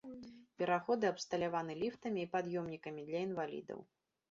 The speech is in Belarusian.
Пераходы абсталяваны ліфтамі і пад'ёмнікамі для інвалідаў.